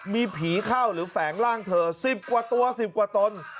มีผีเข้าหรือแฝงร่างเธอ๑๐กว่าตัว๑๐กว่าตน